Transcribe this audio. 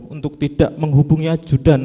untuk tidak menghubungi ajudan